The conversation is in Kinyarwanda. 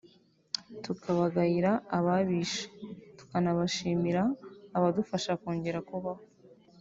tukabagayira ababishe tukanabashimira abadufasha kongera kubaho